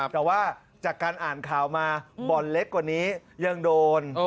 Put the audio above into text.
แต่ว่าจากการอ่านข่าวมาบ่อนเล็กกว่านี้ยังโดน